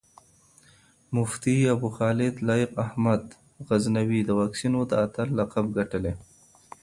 مفتي ابوخالد لائق احمد غزنوي د واکسينو د اتَل لقب ګټلی